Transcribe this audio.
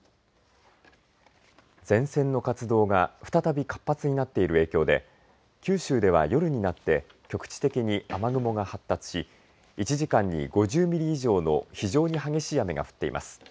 前線の活動が再び活発になっている影響で九州では夜になって局地的に雨雲が発達し１時間に５０ミリ以上の非常に激しい雨が降っています。